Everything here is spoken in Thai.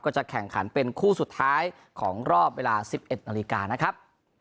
จะแข่งขันเป็นคู่สุดท้ายของรอบเวลา๑๑นาฬิกานะครับ